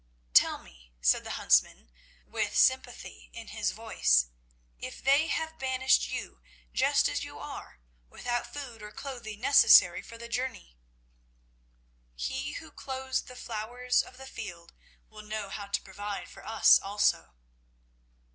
"Tell me," said the huntsman, with sympathy in his face, "if they have banished you just as you are, without food or clothing necessary for the journey." "He who clothes the flowers of the field will know how to provide for us also!"